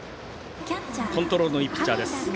コントロールのいいピッチャーです。